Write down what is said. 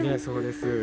そうです。